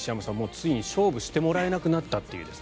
ついに勝負してもらえなくなったっていう。